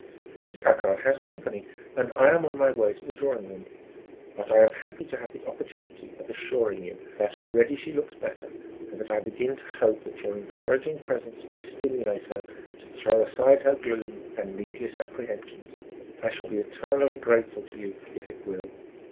"Mrs. Packard has company and I am on my way to the drawing room, but I am happy to have the opportunity of assuring you that already she looks better, and that I begin to hope that your encouraging presence may stimulate her to throw aside her gloom and needless apprehensions. I shall be eternally grateful to you if it will.